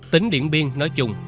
tính điện biên nói chung